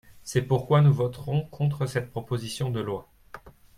C’est pourquoi nous voterons contre cette proposition de loi.